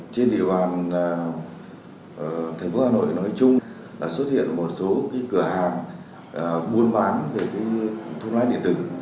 trên địa bàn thành phố hà nội nói chung là xuất hiện một số cửa hàng buôn bán thuốc lái điện tử